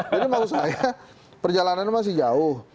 jadi maksud saya perjalanannya masih jauh